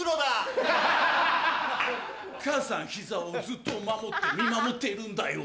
母さん膝をずっと守って見守っているんだよ